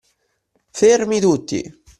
Fermi tutti!